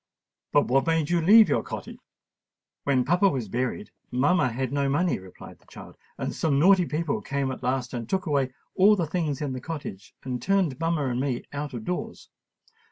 "But what made you leave your cottage?" "When papa was buried, mamma had no money," replied the child; "and some naughty people came at last and took away all the things in the cottage, and turned mamma and me out of doors.